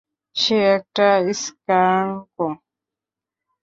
সে একটা স্কাঙ্ক।